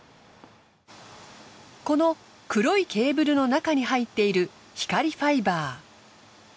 この黒いケーブルの中に入っている光ファイバー。